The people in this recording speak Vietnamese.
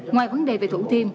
ngoài vấn đề về thủ thiêm